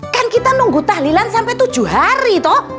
kan kita nunggu tahlilan sampai tujuh hari toh